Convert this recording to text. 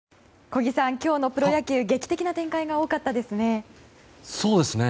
小木さん、今日のプロ野球劇的な展開が多かったですね。